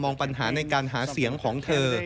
ปัญหาในการหาเสียงของเธอ